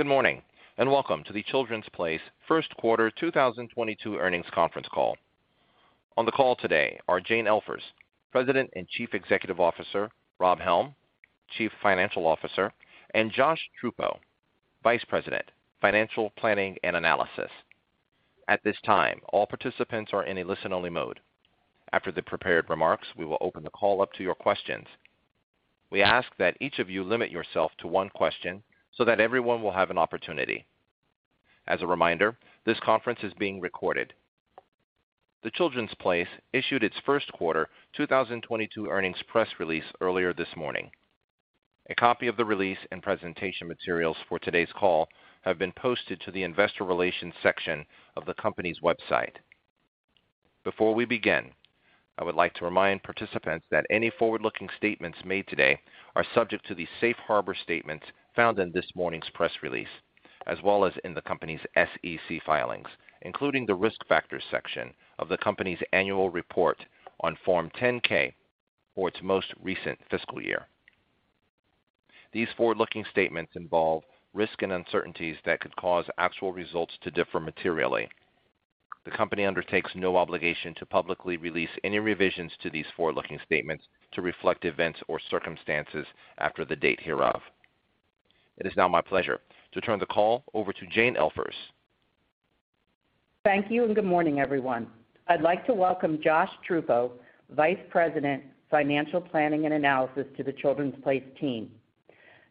Good morning, and welcome to The Children's Place First Quarter 2022 Earnings Conference Call. On the call today are Jane Elfers, President and Chief Executive Officer, Robert Helm, Chief Financial Officer, and Josh Truppo, Vice President, Financial Planning and Analysis. At this time, all participants are in a listen-only mode. After the prepared remarks, we will open the call up to your questions. We ask that each of you limit yourself to one question so that everyone will have an opportunity. As a reminder, this conference is being recorded. The Children's Place issued its first quarter 2022 earnings press release earlier this morning. A copy of the release and presentation materials for today's call have been posted to the investor relations section of the company's website. Before we begin, I would like to remind participants that any forward-looking statements made today are subject to the safe harbor statements found in this morning's press release, as well as in the company's SEC filings, including the Risk Factors section of the company's annual report on Form 10-K for its most recent fiscal year. These forward-looking statements involve risks and uncertainties that could cause actual results to differ materially. The company undertakes no obligation to publicly release any revisions to these forward-looking statements to reflect events or circumstances after the date hereof. It is now my pleasure to turn the call over to Jane Elfers. Thank you, and good morning, everyone. I'd like to welcome Josh Truppo, Vice President, Financial Planning and Analysis to The Children's Place team.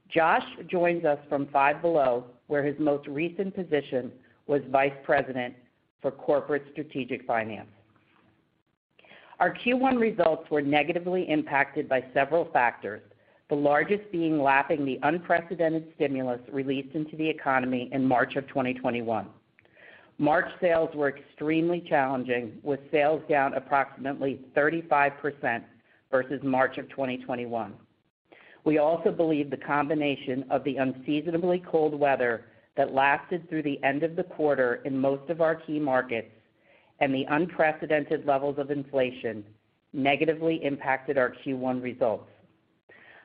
Josh joins us from Five Below, where his most recent position was Vice President for Corporate Strategic Finance. Our Q1 results were negatively impacted by several factors, the largest being lapping the unprecedented stimulus released into the economy in March 2021. March sales were extremely challenging, with sales down approximately 35% versus March 2021. We also believe the combination of the unseasonably cold weather that lasted through the end of the quarter in most of our key markets and the unprecedented levels of inflation negatively impacted our Q1 results.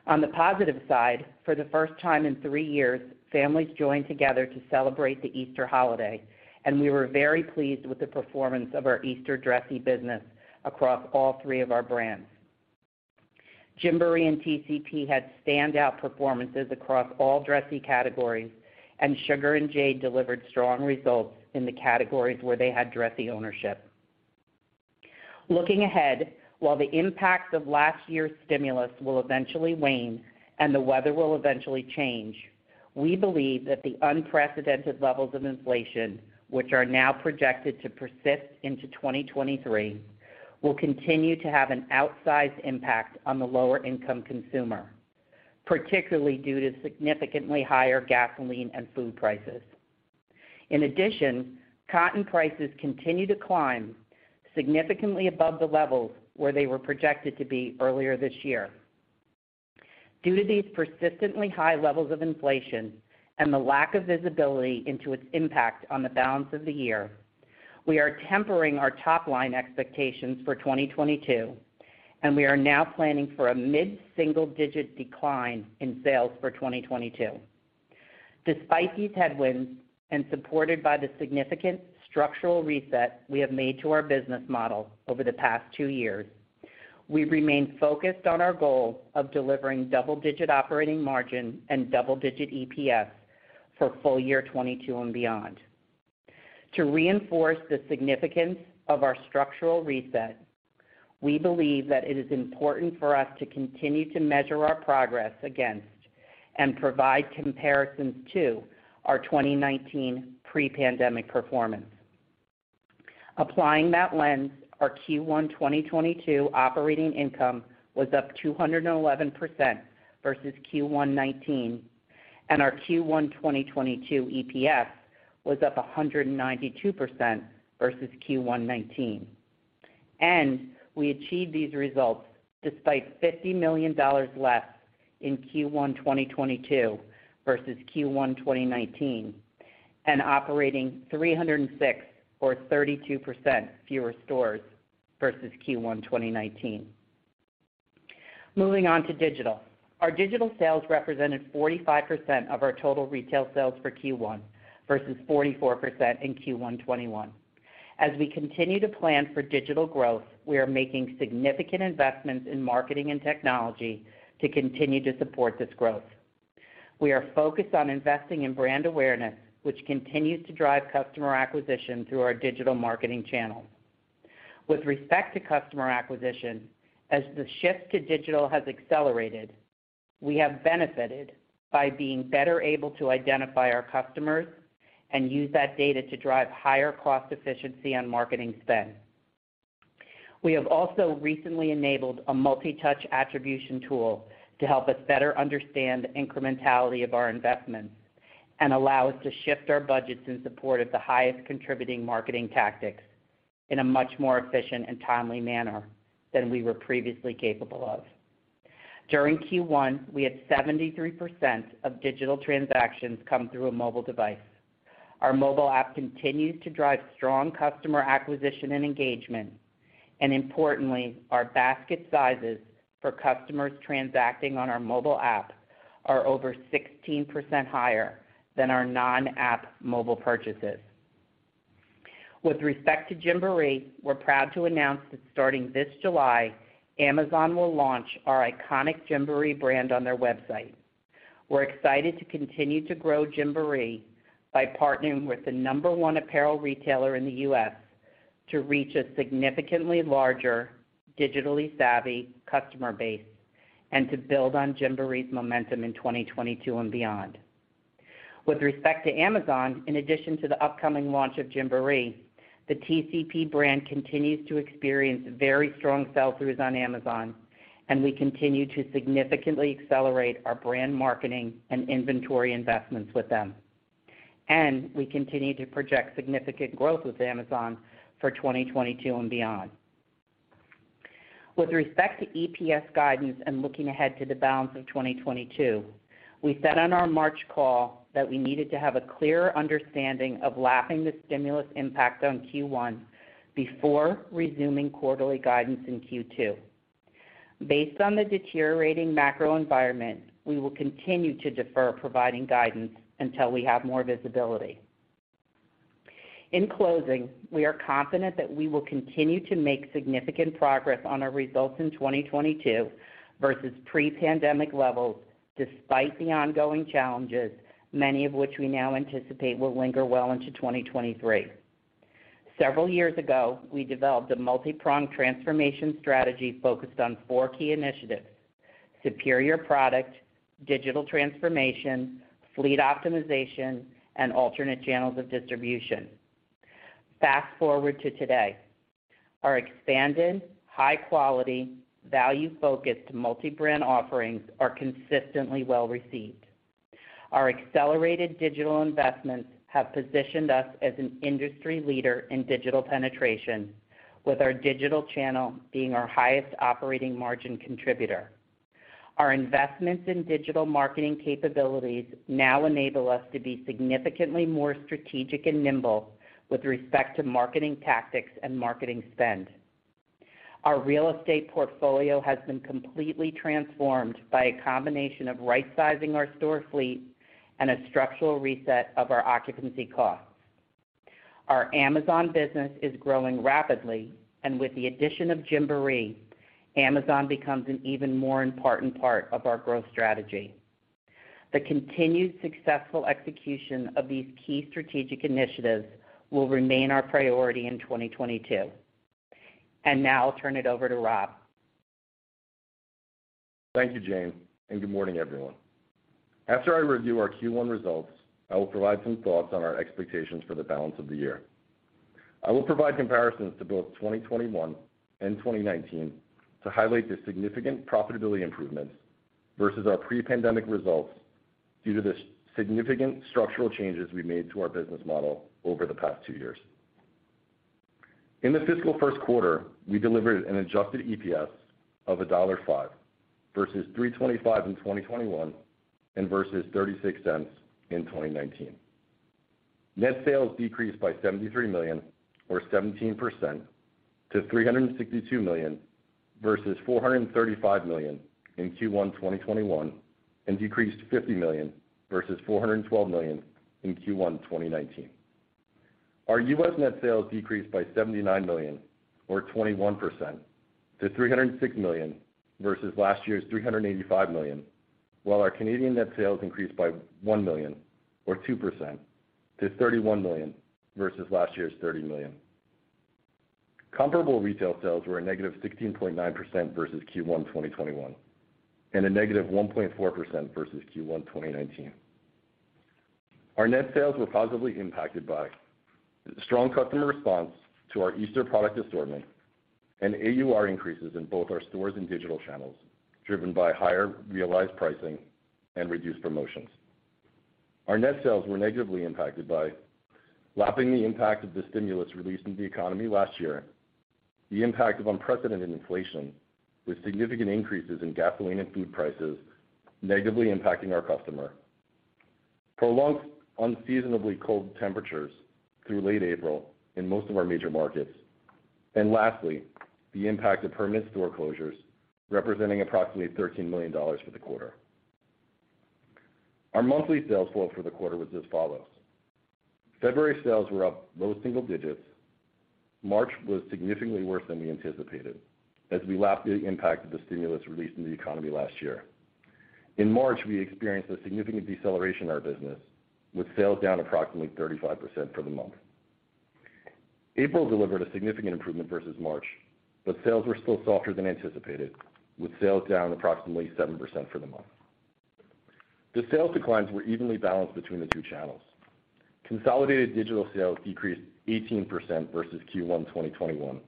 On the positive side, for the first time in three years, families joined together to celebrate the Easter holiday, and we were very pleased with the performance of our Easter dressy business across all three of our brands. Gymboree and TCP had standout performances across all dressy categories, and Sugar & Jade delivered strong results in the categories where they had dressy ownership. Looking ahead, while the impacts of last year's stimulus will eventually wane and the weather will eventually change, we believe that the unprecedented levels of inflation, which are now projected to persist into 2023, will continue to have an outsized impact on the lower income consumer, particularly due to significantly higher gasoline and food prices. In addition, cotton prices continue to climb significantly above the levels where they were projected to be earlier this year. Due to these persistently high levels of inflation and the lack of visibility into its impact on the balance of the year, we are tempering our top line expectations for 2022, and we are now planning for a mid-single digit decline in sales for 2022. Despite these headwinds, and supported by the significant structural reset we have made to our business model over the past two years, we remain focused on our goal of delivering double-digit operating margin and double-digit EPS for full year 2022 and beyond. To reinforce the significance of our structural reset, we believe that it is important for us to continue to measure our progress against and provide comparisons to our 2019 pre-pandemic performance. Applying that lens, our Q1 2022 operating income was up 211% versus Q1 2019, and our Q1 2022 EPS was up 192% versus Q1 2019. We achieved these results despite $50 million less in Q1 2022 versus Q1 2019 and operating 306 or 32% fewer stores versus Q1 2019. Moving on to digital. Our digital sales represented 45% of our total retail sales for Q1 versus 44% in Q1 2021. As we continue to plan for digital growth, we are making significant investments in marketing and technology to continue to support this growth. We are focused on investing in brand awareness, which continues to drive customer acquisition through our digital marketing channels. With respect to customer acquisition, as the shift to digital has accelerated, we have benefited by being better able to identify our customers and use that data to drive higher cost efficiency on marketing spend. We have also recently enabled a multi-touch attribution tool to help us better understand the incrementality of our investments and allow us to shift our budgets in support of the highest contributing marketing tactics in a much more efficient and timely manner than we were previously capable of. During Q1, we had 73% of digital transactions come through a mobile device. Our mobile app continues to drive strong customer acquisition and engagement. Importantly, our basket sizes for customers transacting on our mobile app are over 16% higher than our non-app mobile purchases. With respect to Gymboree, we're proud to announce that starting this July, Amazon will launch our iconic Gymboree brand on their website. We're excited to continue to grow Gymboree by partnering with the number one apparel retailer in the U.S. to reach a significantly larger, digitally savvy customer base and to build on Gymboree's momentum in 2022 and beyond. With respect to Amazon, in addition to the upcoming launch of Gymboree, the TCP brand continues to experience very strong sell-throughs on Amazon, and we continue to significantly accelerate our brand marketing and inventory investments with them. We continue to project significant growth with Amazon for 2022 and beyond. With respect to EPS guidance and looking ahead to the balance of 2022, we said on our March call that we needed to have a clearer understanding of lapping the stimulus impact on Q1 before resuming quarterly guidance in Q2. Based on the deteriorating macro environment, we will continue to defer providing guidance until we have more visibility. In closing, we are confident that we will continue to make significant progress on our results in 2022 versus pre-pandemic levels despite the ongoing challenges, many of which we now anticipate will linger well into 2023. Several years ago, we developed a multi-pronged transformation strategy focused on four key initiatives, superior product, digital transformation, fleet optimization, and alternate channels of distribution. Fast-forward to today. Our expanded, high quality, value-focused multi-brand offerings are consistently well received. Our accelerated digital investments have positioned us as an industry leader in digital penetration, with our digital channel being our highest operating margin contributor. Our investments in digital marketing capabilities now enable us to be significantly more strategic and nimble with respect to marketing tactics and marketing spend. Our real estate portfolio has been completely transformed by a combination of right-sizing our store fleet and a structural reset of our occupancy costs. Our Amazon business is growing rapidly, and with the addition of Gymboree, Amazon becomes an even more important part of our growth strategy. The continued successful execution of these key strategic initiatives will remain our priority in 2022. Now I'll turn it over to Rob. Thank you, Jane, and good morning, everyone. After I review our Q1 results, I will provide some thoughts on our expectations for the balance of the year. I will provide comparisons to both 2021 and 2019 to highlight the significant profitability improvements versus our pre-pandemic results due to the significant structural changes we made to our business model over the past two years. In the fiscal first quarter, we delivered an adjusted EPS of $1.5 versus $3.25 in 2021 and versus $0.36 in 2019. Net sales decreased by $73 million or 17%, to $362 million versus $435 million in Q1 2021, and decreased $50 million versus $412 million in Q1 2019. Our U.S .net sales decreased by $79 million or 21%, to $306 million versus last year's $385 million, while our Canadian net sales increased by 1 million or 2% to 31 million versus last year's 30 million. Comparable retail sales were a negative 16.9% versus Q1 2021, and a negative 1.4% versus Q1 2019. Our net sales were positively impacted by strong customer response to our Easter product assortment and AUR increases in both our stores and digital channels, driven by higher realized pricing and reduced promotions. Our net sales were negatively impacted by lapping the impact of the stimulus released in the economy last year, the impact of unprecedented inflation with significant increases in gasoline and food prices negatively impacting our customer, prolonged unseasonably cold temperatures through late April in most of our major markets. Lastly, the impact of permanent store closures representing approximately $13 million for the quarter. Our monthly sales flow for the quarter was as follows. February sales were up low single digits. March was significantly worse than we anticipated as we lapped the impact of the stimulus released in the economy last year. In March, we experienced a significant deceleration in our business, with sales down approximately 35% for the month. April delivered a significant improvement versus March, but sales were still softer than anticipated, with sales down approximately 7% for the month. The sales declines were evenly balanced between the two channels. Consolidated digital sales decreased 18% versus Q1 2021,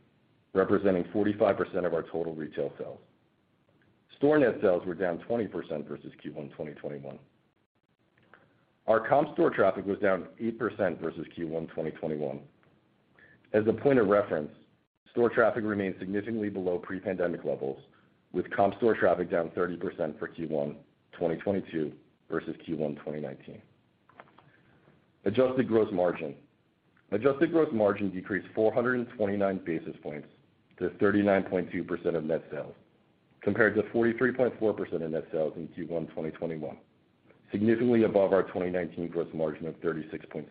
representing 45% of our total retail sales. Store net sales were down 20% versus Q1 2021. Our comp store traffic was down 8% versus Q1 2021. As a point of reference, store traffic remains significantly below pre-pandemic levels, with comp store traffic down 30% for Q1 2022 versus Q1 2019. Adjusted gross margin. Adjusted gross margin decreased 429 basis points to 39.2% of net sales, compared to 43.4% of net sales in Q1 2021, significantly above our 2019 gross margin of 36.7%.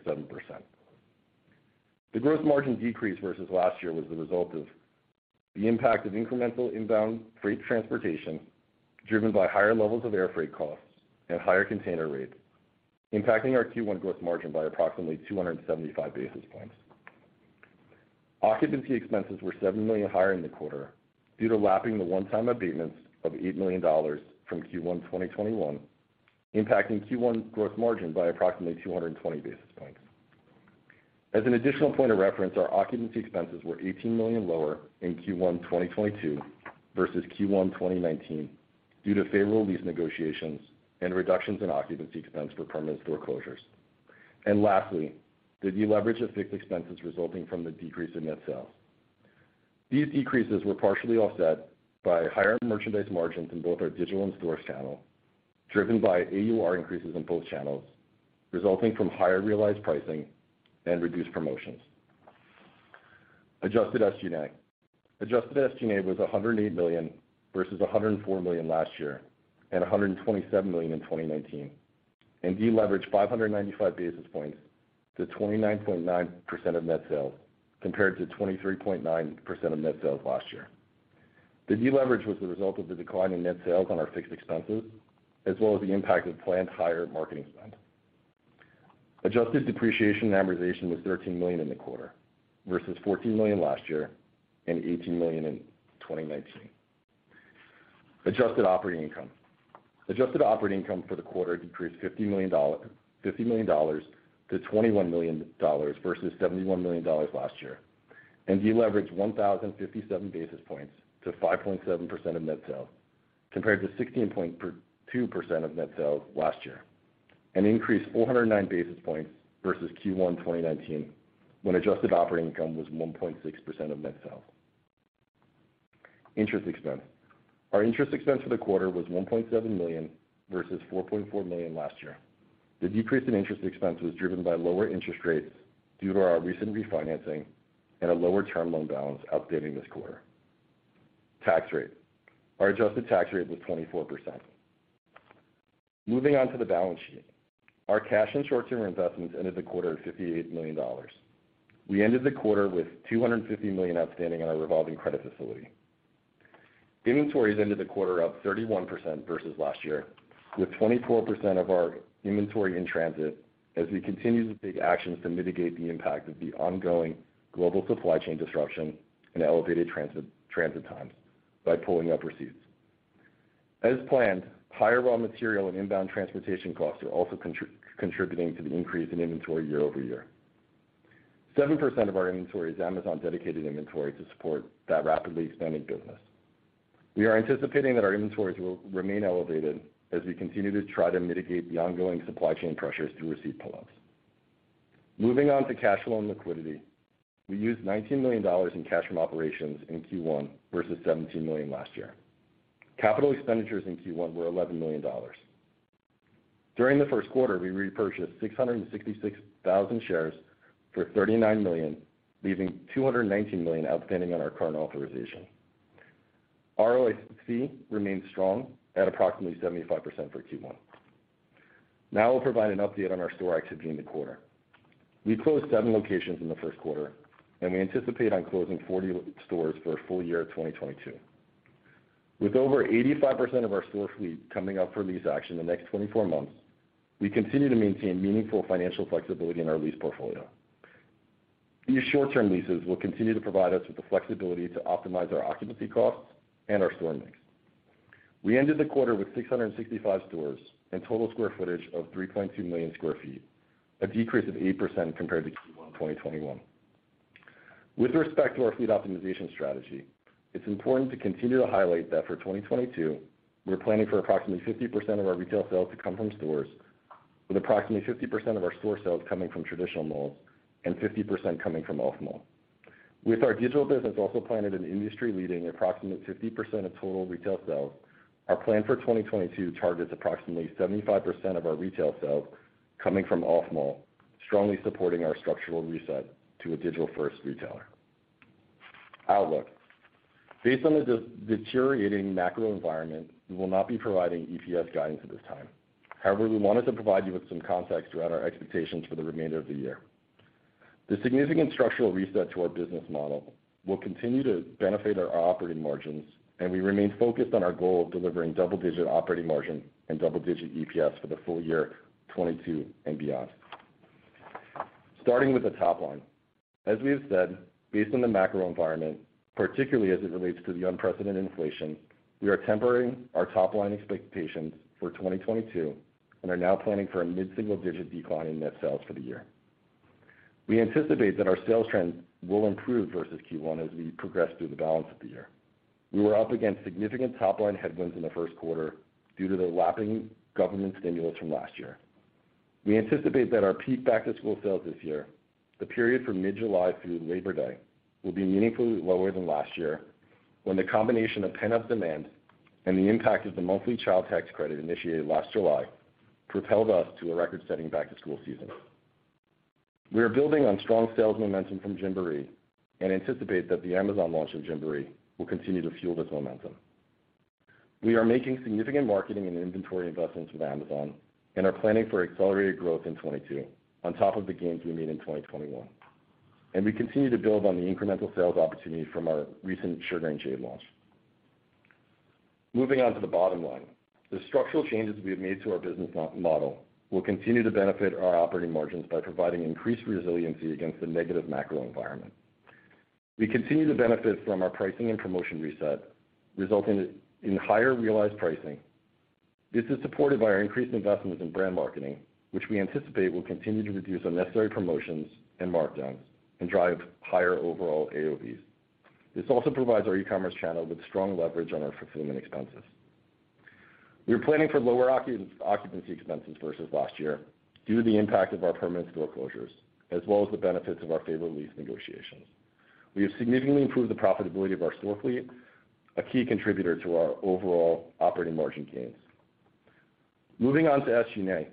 The gross margin decrease versus last year was the result of the impact of incremental inbound freight transportation, driven by higher levels of air freight costs and higher container rates, impacting our Q1 gross margin by approximately 275 basis points. Occupancy expenses were $7 million higher in the quarter due to lapping the one-time abatements of $8 million from Q1 2021, impacting Q1 gross margin by approximately 220 basis points. As an additional point of reference, our occupancy expenses were $18 million lower in Q1 2022 versus Q1 2019 due to favorable lease negotiations and reductions in occupancy expense for permanent store closures. Lastly, the deleverage of fixed expenses resulting from the decrease in net sales. These decreases were partially offset by higher merchandise margins in both our digital and stores channel, driven by AUR increases in both channels, resulting from higher realized pricing and reduced promotions. Adjusted SG&A. Adjusted SG&A was $108 million versus $104 million last year, and $127 million in 2019, and deleveraged 595 basis points to 29.9% of net sales, compared to 23.9% of net sales last year. The deleverage was the result of the decline in net sales on our fixed expenses, as well as the impact of planned higher marketing spend. Adjusted depreciation and amortization was $13 million in the quarter versus $14 million last year and $18 million in 2019. Adjusted operating income. Adjusted operating income for the quarter decreased $50 million to $21 million versus $71 million last year, and deleveraged 1,057 basis points to 5.7% of net sales compared to 16.2% of net sales last year, and increased 409 basis points versus Q1 2019 when adjusted operating income was 1.6% of net sales. Interest expense. Our interest expense for the quarter was $1.7 million versus $4.4 million last year. The decrease in interest expense was driven by lower interest rates due to our recent refinancing and a lower term loan balance outstanding this quarter. Tax rate. Our adjusted tax rate was 24%. Moving on to the balance sheet. Our cash and short-term investments ended the quarter at $58 million. We ended the quarter with $250 million outstanding on our revolving credit facility. Inventories ended the quarter up 31% versus last year, with 24% of our inventory in transit as we continue to take actions to mitigate the impact of the ongoing global supply chain disruption and elevated transit times by pulling up receipts. As planned, higher raw material and inbound transportation costs are also contributing to the increase in inventory year-over-year. 7% of our inventory is Amazon dedicated inventory to support that rapidly expanding business. We are anticipating that our inventories will remain elevated as we continue to try to mitigate the ongoing supply chain pressures through receipt pull-ups. Moving on to cash flow and liquidity. We used $19 million in cash from operations in Q1 versus $17 million last year. Capital expenditures in Q1 were $11 million. During the first quarter, we repurchased 666,000 shares for $39 million, leaving 219 million outstanding on our current authorization. ROC remains strong at approximately 75% for Q1. Now we'll provide an update on our store activity in the quarter. We closed 7 locations in the first quarter and we anticipate on closing 40 stores for full year 2022. With over 85% of our store fleet coming up for lease action in the next 24 months, we continue to maintain meaningful financial flexibility in our lease portfolio. These short-term leases will continue to provide us with the flexibility to optimize our occupancy costs and our store mix. We ended the quarter with 665 stores and total square footage of 3.2 million sq ft, a decrease of 8% compared to Q1 2021. With respect to our fleet optimization strategy, it's important to continue to highlight that for 2022, we're planning for approximately 50% of our retail sales to come from stores, with approximately 50% of our store sales coming from traditional malls and 50% coming from off-mall. With our digital business also planning an industry-leading approximate 50% of total retail sales, our plan for 2022 targets approximately 75% of our retail sales coming from off-mall, strongly supporting our structural reset to a digital-first retailer. Outlook. Based on the deteriorating macro environment, we will not be providing EPS guidance at this time. However, we wanted to provide you with some context around our expectations for the remainder of the year. The significant structural reset to our business model will continue to benefit our operating margins, and we remain focused on our goal of delivering double-digit operating margin and double-digit EPS for the full year 2022 and beyond. Starting with the top line. As we have said, based on the macro environment, particularly as it relates to the unprecedented inflation, we are tempering our top-line expectations for 2022 and are now planning for a mid-single-digit decline in net sales for the year. We anticipate that our sales trends will improve versus Q1 as we progress through the balance of the year. We were up against significant top-line headwinds in the first quarter due to the lapping government stimulus from last year. We anticipate that our peak back-to-school sales this year, the period from mid-July through Labor Day, will be meaningfully lower than last year when the combination of pent-up demand and the impact of the monthly Child Tax Credit initiated last July propelled us to a record-setting back-to-school season. We are building on strong sales momentum from Gymboree and anticipate that the Amazon launch of Gymboree will continue to fuel this momentum. We are making significant marketing and inventory investments with Amazon and are planning for accelerated growth in 2022 on top of the gains we made in 2021. We continue to build on the incremental sales opportunity from our recent Sugar & Jade launch. Moving on to the bottom line. The structural changes we have made to our business model will continue to benefit our operating margins by providing increased resiliency against the negative macro environment. We continue to benefit from our pricing and promotion reset, resulting in higher realized pricing. This is supported by our increased investments in brand marketing, which we anticipate will continue to reduce unnecessary promotions and markdowns and drive higher overall AOV. This also provides our e-commerce channel with strong leverage on our fulfillment expenses. We are planning for lower occupancy expenses versus last year due to the impact of our permanent store closures, as well as the benefits of our favorable lease negotiations. We have significantly improved the profitability of our store fleet, a key contributor to our overall operating margin gains. Moving on to SG&A.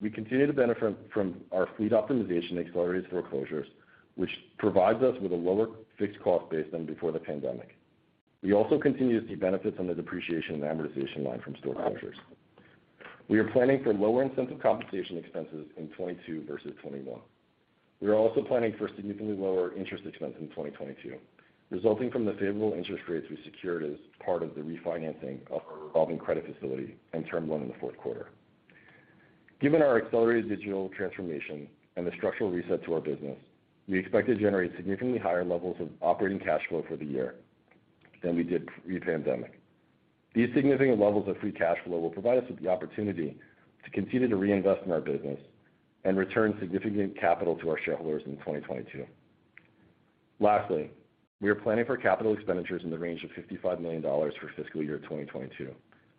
We continue to benefit from our fleet optimization and accelerated store closures, which provides us with a lower fixed cost base than before the pandemic. We also continue to see benefits on the depreciation and amortization line from store closures. We are planning for lower incentive compensation expenses in 2022 versus 2021. We are also planning for significantly lower interest expense in 2022, resulting from the favorable interest rates we secured as part of the refinancing of our revolving credit facility and term loan in the fourth quarter. Given our accelerated digital transformation and the structural reset to our business, we expect to generate significantly higher levels of operating cash flow for the year than we did pre-pandemic. These significant levels of free cash flow will provide us with the opportunity to continue to reinvest in our business and return significant capital to our shareholders in 2022. Lastly, we are planning for capital expenditures in the range of $55 million for fiscal year 2022,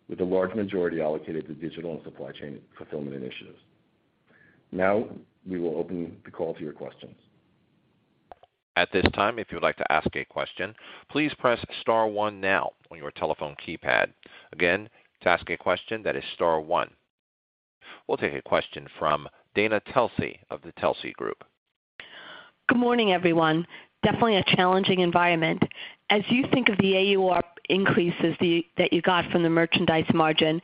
with a large majority allocated to digital and supply chain fulfillment initiatives. Now, we will open the call to your questions. At this time, if you would like to ask a question, please press star one now on your telephone keypad. Again, to ask a question that is star one. We'll take a question from Dana Telsey of the Telsey Advisory Group. Good morning, everyone. Definitely a challenging environment. As you think of the AUR increases that you got from the merchandise margin,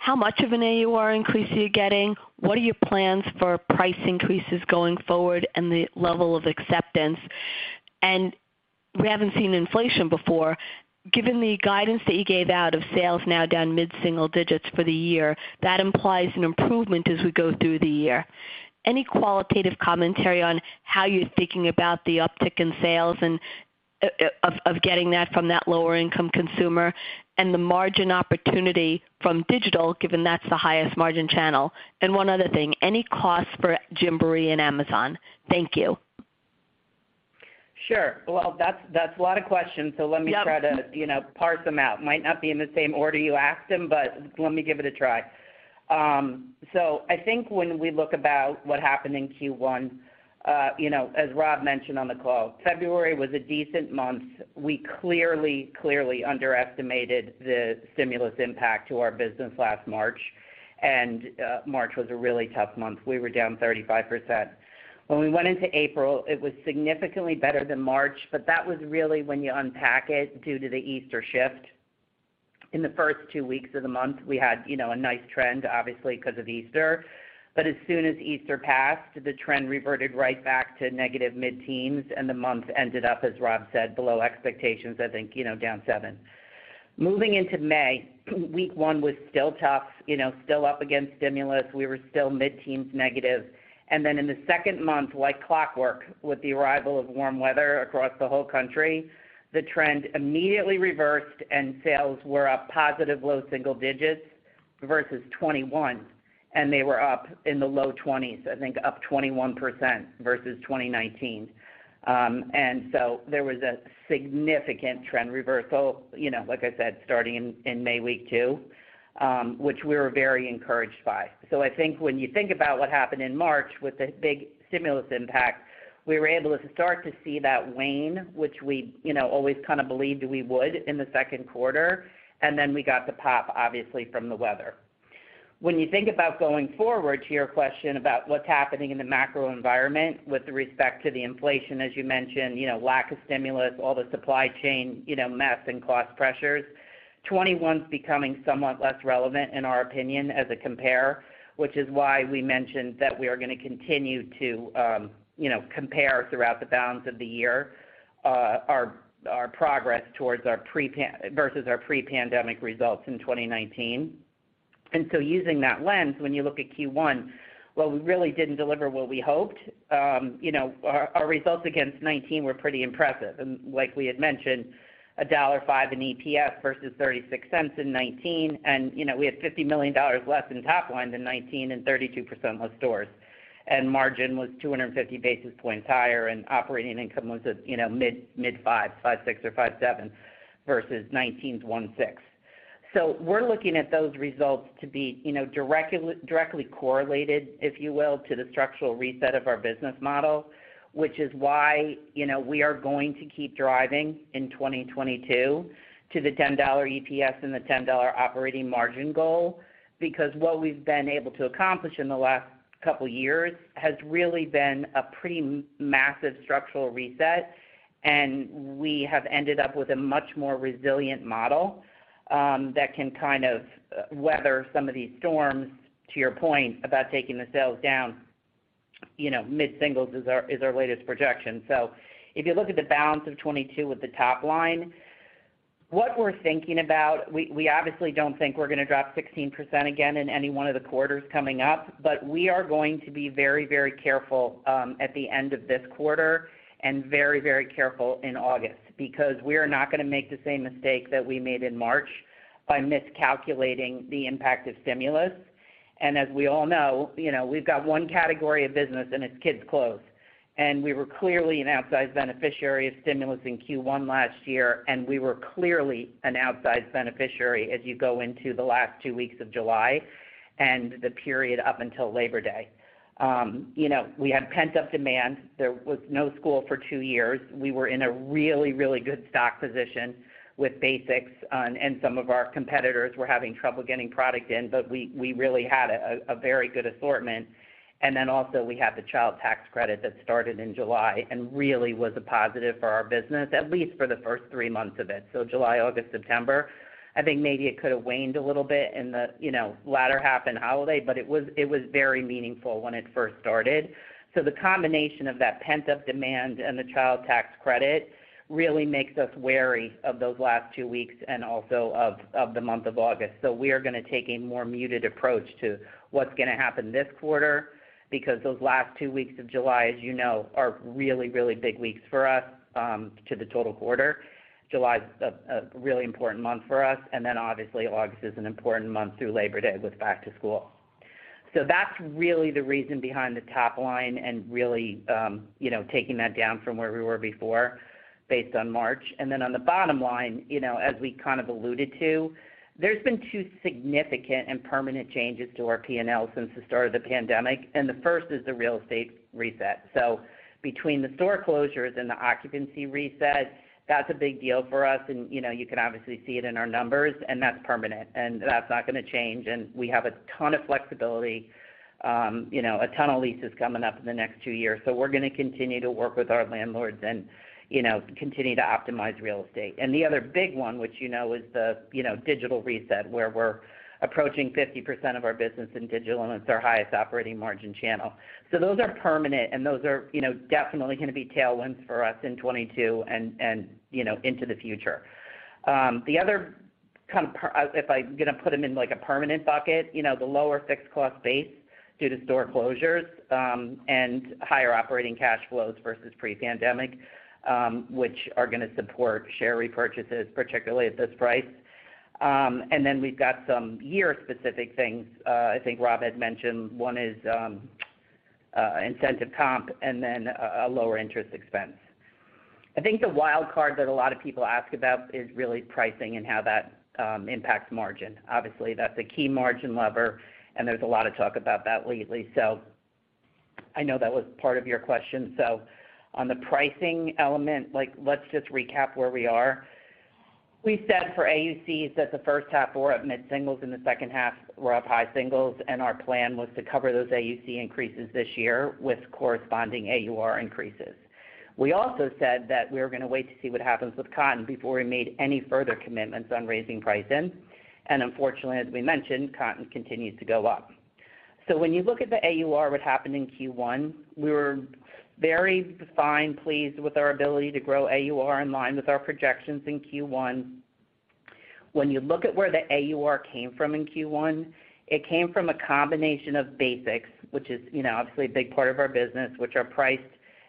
how much of an AUR increase are you getting? What are your plans for price increases going forward and the level of acceptance? We haven't seen inflation before. Given the guidance that you gave on sales now down mid-single digits% for the year, that implies an improvement as we go through the year. Any qualitative commentary on how you're thinking about the uptick in sales and of getting that from that lower income consumer and the margin opportunity from digital, given that's the highest margin channel. One other thing, any cost for Gymboree and Amazon? Thank you. Sure. Well, that's a lot of questions, so let me try to, you know, parse them out. Might not be in the same order you asked them, but let me give it a try. I think when we look about what happened in Q1, you know, as Rob mentioned on the call, February was a decent month. We clearly underestimated the stimulus impact to our business last March. March was a really tough month. We were down 35%. When we went into April, it was significantly better than March, but that was really when you unpack it due to the Easter shift. In the first two weeks of the month, we had, you know, a nice trend, obviously because of Easter. As soon as Easter passed, the trend reverted right back to negative mid-teens, and the month ended up, as Rob said, below expectations, I think, you know, down 7. Moving into May, week one was still tough, you know, still up against stimulus. We were still mid-teens negative. Then in the second week, like clockwork, with the arrival of warm weather across the whole country, the trend immediately reversed and sales were up positive low single digits versus 2021, and they were up in the low 20s, I think up 21% versus 2019. And so there was a significant trend reversal, you know, like I said, starting in May week two, which we were very encouraged by. I think when you think about what happened in March with the big stimulus impact, we were able to start to see that wane, which we, you know, always kind of believed we would in the second quarter. Then we got the pop, obviously, from the weather. When you think about going forward to your question about what's happening in the macro environment with respect to the inflation, as you mentioned, you know, lack of stimulus, all the supply chain, you know, mess and cost pressures, 2021's becoming somewhat less relevant in our opinion as a comp, which is why we mentioned that we are gonna continue to, you know, compare throughout the balance of the year, our progress towards our pre-pandemic results in 2019. Using that lens, when you look at Q1, while we really didn't deliver what we hoped, you know, our results against 2019 were pretty impressive. Like we had mentioned, $1.05 in EPS versus $0.36 in 2019. You know, we had $50 million less in top line than 2019 and 32% less stores. Margin was 250 basis points higher, and operating income was at, you know, mid-fives, $56 or $57 versus 2019's $16. We're looking at those results to be, you know, directly correlated, if you will, to the structural reset of our business model, which is why, you know, we are going to keep driving in 2022 to the $10 EPS and the $10 operating margin goal because what we've been able to accomplish in the last couple years has really been a pretty massive structural reset, and we have ended up with a much more resilient model that can kind of weather some of these storms, to your point about taking the sales down. You know, mid-singles% is our latest projection. If you look at the balance of 2022 with the top line, what we're thinking about. We obviously don't think we're gonna drop 16% again in any one of the quarters coming up, but we are going to be very, very careful at the end of this quarter and very, very careful in August because we're not gonna make the same mistake that we made in March by miscalculating the impact of stimulus. As we all know, you know, we've got one category of business and it's kids' clothes. We were clearly an outsized beneficiary of stimulus in Q1 last year, and we were clearly an outsized beneficiary as you go into the last 2 weeks of July and the period up until Labor Day. You know, we had pent-up demand. There was no school for 2 years. We were in a really good stock position with basics, and some of our competitors were having trouble getting product in, but we really had a very good assortment. Then also we have the Child Tax Credit that started in July and really was a positive for our business, at least for the first three months of it. July, August, September. I think maybe it could have waned a little bit in the, you know, latter half and holiday, but it was very meaningful when it first started. The combination of that pent-up demand and the Child Tax Credit really makes us wary of those last two weeks and also of the month of August. We are gonna take a more muted approach to what's gonna happen this quarter because those last two weeks of July, as you know, are really, really big weeks for us to the total quarter. July's a really important month for us, and then obviously August is an important month through Labor Day with back to school. That's really the reason behind the top line and really, you know, taking that down from where we were before based on March. On the bottom line, you know, as we kind of alluded to, there's been two significant and permanent changes to our P&L since the start of the pandemic. The first is the real estate reset. Between the store closures and the occupancy reset, that's a big deal for us and, you know, you can obviously see it in our numbers, and that's permanent, and that's not gonna change. We have a ton of flexibility, you know, a ton of leases coming up in the next two years. We're gonna continue to work with our landlords and, you know, continue to optimize real estate. The other big one, which you know, is the, you know, digital reset, where we're approaching 50% of our business in digital, and it's our highest operating margin channel. Those are permanent, and those are, you know, definitely gonna be tailwinds for us in 2022 and, you know, into the future. The other kind if I'm gonna put them in like a permanent bucket, you know, the lower fixed cost base due to store closures, and higher operating cash flows versus pre-pandemic, which are gonna support share repurchases, particularly at this price. We've got some year-specific things. I think Rob had mentioned one is incentive comp and then a lower interest expense. I think the wild card that a lot of people ask about is really pricing and how that impacts margin. Obviously, that's a key margin lever, and there's a lot of talk about that lately. I know that was part of your question. On the pricing element, like let's just recap where we are. We said for AUCs that the first half were at mid-singles and the second half were up high singles, and our plan was to cover those AUC increases this year with corresponding AUR increases. We also said that we were gonna wait to see what happens with cotton before we made any further commitments on raising pricing. Unfortunately, as we mentioned, cotton continues to go up. When you look at the AUR, what happened in Q1, we were very pleased with our ability to grow AUR in line with our projections in Q1. When you look at where the AUR came from in Q1, it came from a combination of basics, which is, you know, obviously a big part of our business, which are priced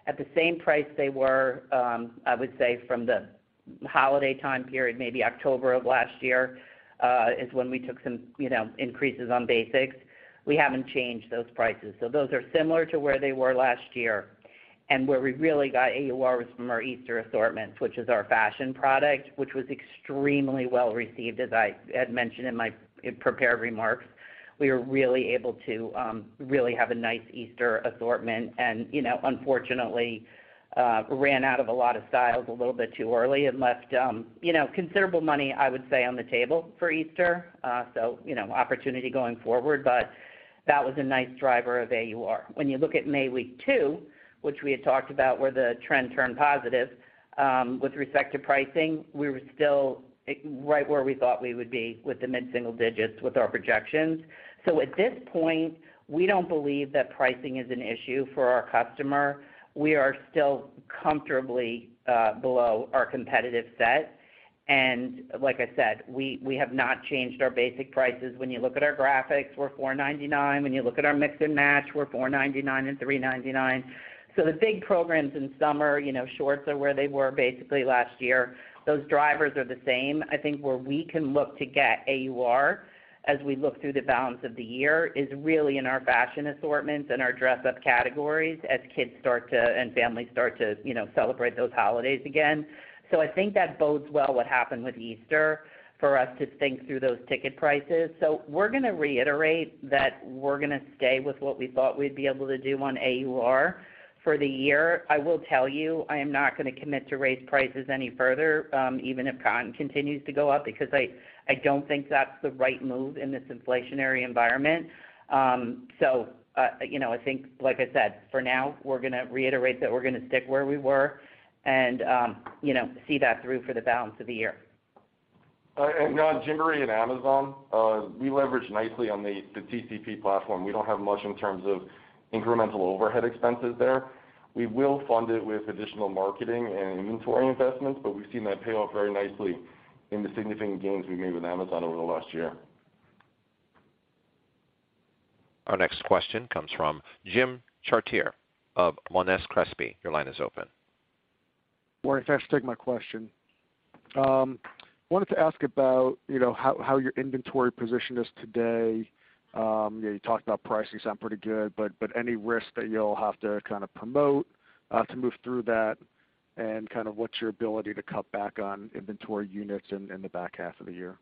at the same price they were. I would say from the holiday time period, maybe October of last year, is when we took some, you know, increases on basics. We haven't changed those prices. So those are similar to where they were last year. Where we really got AUR was from our Easter assortments, which is our fashion product, which was extremely well received, as I had mentioned in my prepared remarks. We were really able to really have a nice Easter assortment and, you know, unfortunately, ran out of a lot of styles a little bit too early and left, you know, considerable money, I would say, on the table for Easter. You know, opportunity going forward, but that was a nice driver of AUR. When you look at May week two, which we had talked about where the trend turned positive, with respect to pricing, we were still right where we thought we would be with the mid-single digits with our projections. At this point, we don't believe that pricing is an issue for our customer. We are still comfortably below our competitive set. Like I said, we have not changed our basic prices. When you look at our graphics, we're $4.99. When you look at our mix and match, we're $4.99 and $3.99. The big programs in summer, you know, shorts are where they were basically last year. Those drivers are the same. I think where we can look to get AUR as we look through the balance of the year is really in our fashion assortments and our dress up categories as kids and families start to, you know, celebrate those holidays again. I think that bodes well what happened with Easter for us to think through those ticket prices. We're gonna reiterate that we're gonna stay with what we thought we'd be able to do on AUR for the year. I will tell you, I am not gonna commit to raise prices any further, even if cotton continues to go up, because I don't think that's the right move in this inflationary environment. You know, I think, like I said, for now, we're gonna reiterate that we're gonna stick where we were and, you know, see that through for the balance of the year. On Gymboree and Amazon, we leverage nicely on the TCP platform. We don't have much in terms of incremental overhead expenses there. We will fund it with additional marketing and inventory investments, but we've seen that pay off very nicely in the significant gains we've made with Amazon over the last year. Our next question comes from Jim Chartier of Monness, Crespi, Hardt. Your line is open. Morning. Thanks for taking my question. Wanted to ask about, you know, how your inventory position is today. You know, you talked about pricing, sound pretty good, but any risk that you'll have to kind of promote to move through that, and kind of what's your ability to cut back on inventory units in the back half of the year?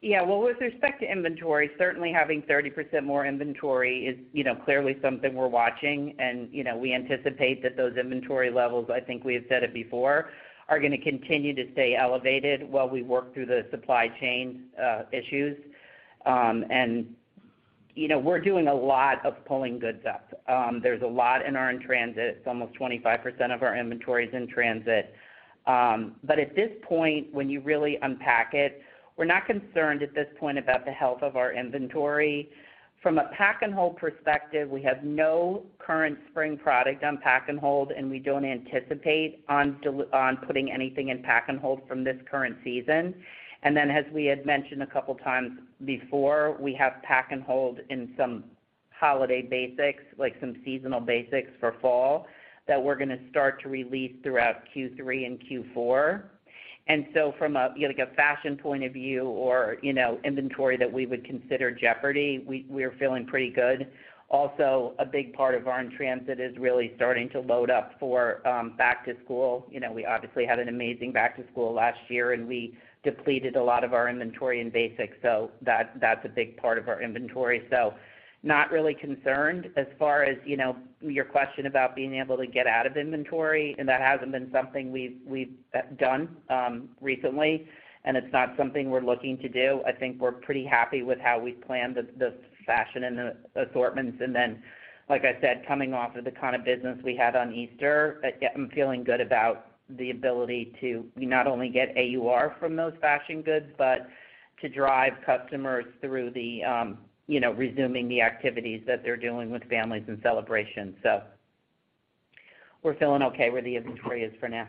Yeah. Well, with respect to inventory, certainly having 30% more inventory is, you know, clearly something we're watching. You know, we anticipate that those inventory levels, I think we have said it before, are gonna continue to stay elevated while we work through the supply chain issues. You know, we're doing a lot of pulling goods up. There's a lot in our in-transit. Almost 25% of our inventory is in transit. At this point, when you really unpack it, we're not concerned at this point about the health of our inventory. From a pack-and-hold perspective, we have no current spring product on pack and hold, and we don't anticipate on putting anything in pack and hold from this current season. As we had mentioned a couple times before, we have pack and hold in some holiday basics, like some seasonal basics for fall that we're gonna start to release throughout Q3 and Q4. From a you know like a fashion point of view or you know inventory that we would consider jeopardy, we're feeling pretty good. Also, a big part of our in-transit is really starting to load up for back to school. You know, we obviously had an amazing back to school last year, and we depleted a lot of our inventory and basics, so that's a big part of our inventory. Not really concerned. As far as you know your question about being able to get out of inventory, and that hasn't been something we've done recently, and it's not something we're looking to do. I think we're pretty happy with how we've planned the fashion and the assortments. Like I said, coming off of the kind of business we had on Easter, I'm feeling good about the ability to not only get AUR from those fashion goods, but to drive customers through the, you know, resuming the activities that they're doing with families and celebrations. We're feeling okay where the inventory is for now.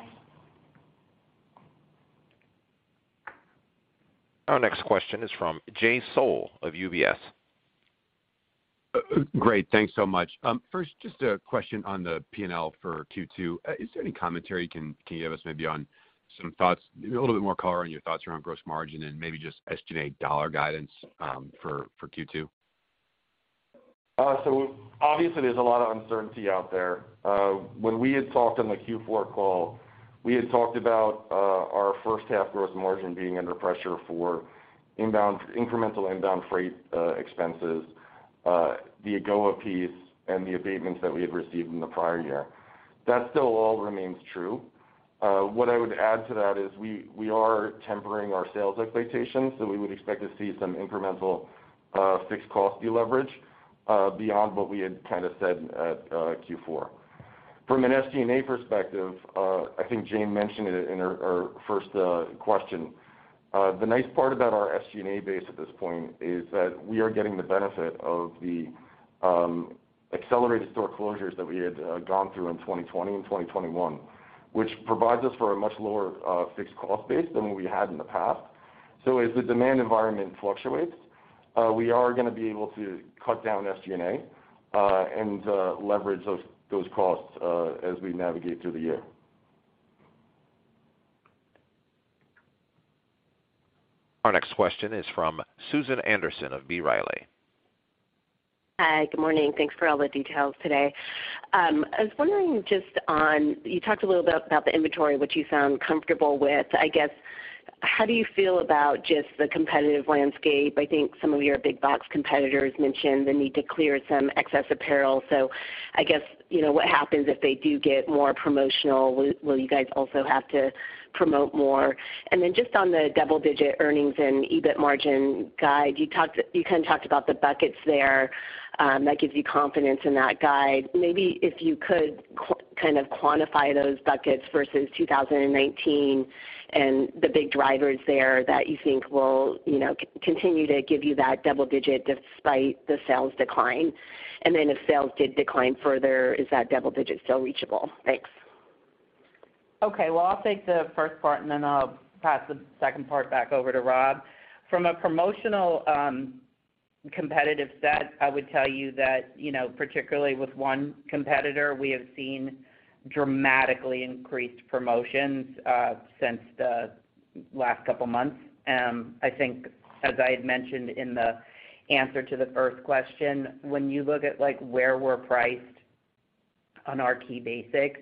Our next question is from Jay Sole of UBS. Great. Thanks so much. First, just a question on the P&L for Q2. Is there any commentary you can give us maybe on some thoughts, maybe a little bit more color on your thoughts around gross margin and maybe just SG&A dollar guidance for Q2? Obviously, there's a lot of uncertainty out there. When we had talked on the Q4 call, we had talked about our first half gross margin being under pressure for incremental inbound freight expenses, the AGOA piece, and the abatement's that we had received in the prior year. That still all remains true. What I would add to that is we are tempering our sales expectations, so we would expect to see some incremental fixed cost deleverage beyond what we had kinda said at Q4. From an SG&A perspective, I think Jane mentioned it in our first question. The nice part about our SG&A base at this point is that we are getting the benefit of the accelerated store closures that we had gone through in 2020 and 2021, which provides us for a much lower fixed cost base than what we had in the past. As the demand environment fluctuates, we are gonna be able to cut down SG&A and leverage those costs as we navigate through the year. Our next question is from Susan Anderson of B. Riley. Hi. Good morning. Thanks for all the details today. I was wondering. You talked a little bit about the inventory, which you sound comfortable with. I guess, how do you feel about just the competitive landscape? I think some of your big box competitors mentioned the need to clear some excess apparel. I guess, you know, what happens if they do get more promotional? Will you guys also have to promote more? And then just on the double-digit earnings and EBIT margin guide, you talked, you kinda talked about the buckets there, that gives you confidence in that guide. Maybe if you could kind of quantify those buckets versus 2019 and the big drivers there that you think will, you know, continue to give you that double-digit despite the sales decline. If sales did decline further, is that double digit still reachable? Thanks. Okay, well, I'll take the first part and then I'll pass the second part back over to Rob. From a promotional competitive set, I would tell you that, you know, particularly with one competitor, we have seen dramatically increased promotions since the last couple months. I think as I had mentioned in the answer to the first question, when you look at, like, where we're priced on our key basics,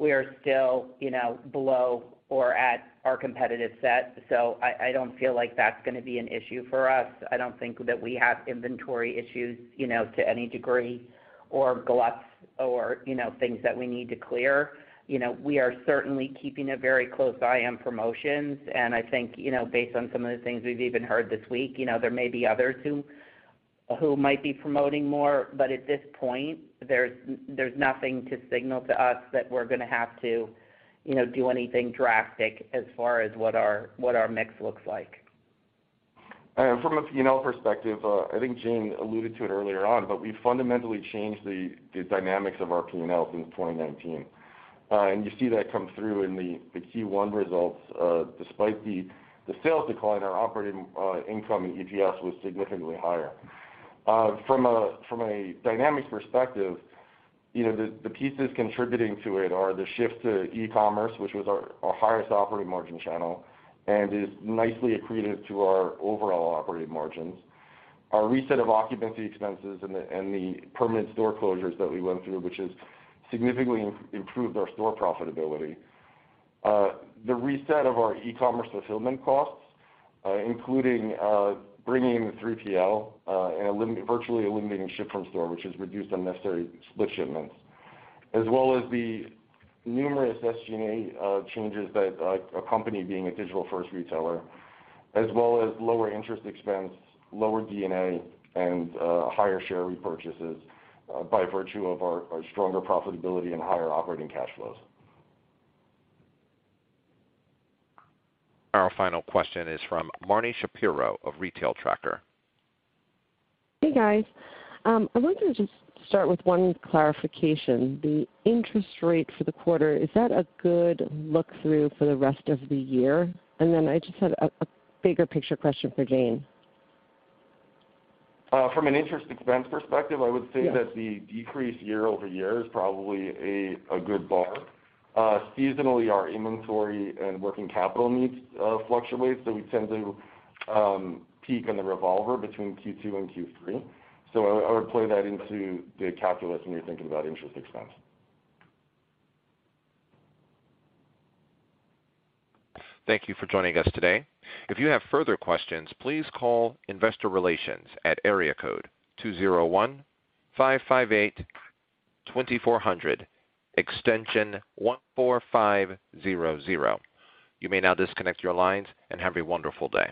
we are still, you know, below or at our competitive set. I don't feel like that's gonna be an issue for us. I don't think that we have inventory issues, you know, to any degree or gluts or, you know, things that we need to clear. You know, we are certainly keeping a very close eye on promotions and I think, you know, based on some of the things we've even heard this week, you know, there may be others who might be promoting more, but at this point there's nothing to signal to us that we're gonna have to, you know, do anything drastic as far as what our mix looks like. From a P&L perspective, I think Jane alluded to it earlier on, but we fundamentally changed the dynamics of our P&L since 2019. You see that come through in the Q1 results. Despite the sales decline, our operating income in EPS was significantly higher. From a dynamics perspective, you know, the pieces contributing to it are the shift to e-commerce, which was our highest operating margin channel, and is nicely accretive to our overall operating margins. Our reset of occupancy expenses and the permanent store closures that we went through, which has significantly improved our store profitability. The reset of our E-commerce fulfillment costs, including bringing in the 3PL and virtually eliminating ship from store, which has reduced unnecessary split shipments, as well as the numerous SG&A changes that accompany being a digital first retailer, as well as lower interest expense, lower D&A and higher share repurchases, by virtue of our stronger profitability and higher operating cash flows. Our final question is from Marni Shapiro of The Retail Tracker. Hey, guys. I wanted to just start with one clarification. The interest rate for the quarter, is that a good look through for the rest of the year? I just had a bigger picture question for Jane. From an interest expense perspective, I would say. Yeah That the decrease year-over-year is probably a good bar. Seasonally, our inventory and working capital needs fluctuate, so we tend to peak in the revolver between Q2 and Q3. I would play that into the ccalculus when you're thinking about interest expense. Thank you for joining us today. If you have further questions, please call investor relations at area code 201-555-2400 extension 14500. You may now disconnect your lines, and have a wonderful day.